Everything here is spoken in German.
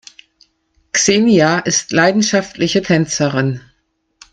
Xenia ist leidenschaftliche Tänzerin.